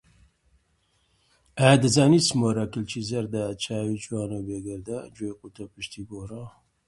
دەچمە لای مەلا مستەفا لە دەڵاشێ